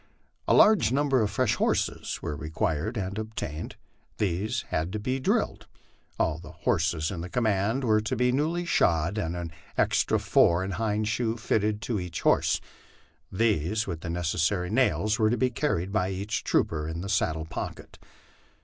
A large number of fresh horses were required and obtained ; these had to be drilled. All the horses in the command were to be newly shod, and an extra fore and hind shoe fitted to each horse ; these, with the necessary nails, were to be carried by each trooper in the saddle pocket.